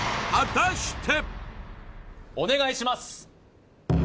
お願いします！